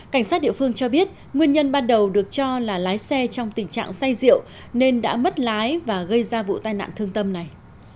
cảnh sát địa phương cho biết nguyên nhân ban đầu được cho là lái xe trong tình trạng say rượu nên đã mất lái và gây ra vụ tai nạn thương tâm này